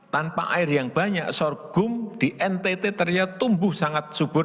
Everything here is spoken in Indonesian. tanpa air yang banyak sorghum di ntt ternyata tumbuh sangat subur